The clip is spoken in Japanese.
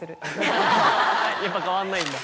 やっぱ変わんないんだ。